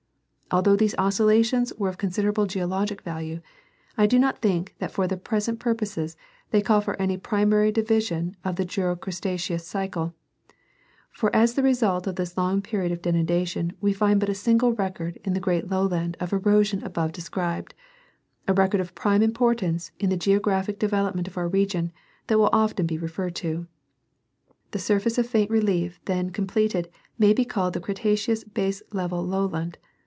Although these oscillations were of con siderable geological value, I do not think that for the present purposes they call for any primary division of the Jura Creta ceous cycle ; for as the result of this long period of denudation we find but a single record in the great lowland of erosion above described, a record of prime importance in the geographic devel opment of our region, that will often be referred to. The surface of faint relief then completed may be called the Cretaceous base level lowland.